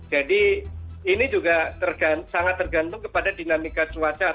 jadi ini juga sangat tergantung kepada dinamika cuaca